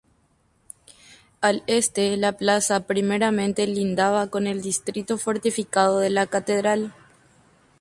Al este la plaza primeramente lindaba con el distrito fortificado de la catedral.